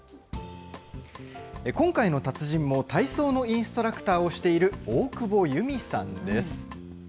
今回の達人も体操のインストラクターをしている大久保裕美さんです。